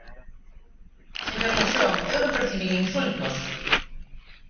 Señor Moxón, eu non percibín insultos.